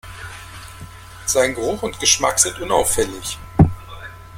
Sein Geruch und Geschmack sind unauffällig.